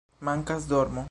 Mankas dormo